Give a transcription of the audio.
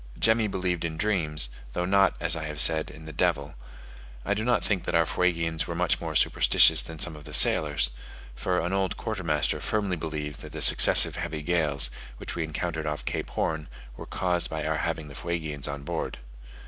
Jemmy believed in dreams, though not, as I have said, in the devil: I do not think that our Fuegians were much more superstitious than some of the sailors; for an old quartermaster firmly believed that the successive heavy gales, which we encountered off Cape Horn, were caused by our having the Fuegians on board.